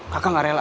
kakak gak rela